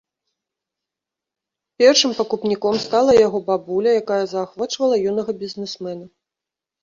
Першым пакупніком стала яго бабуля, якая заахвочвала юнага бізнесмена.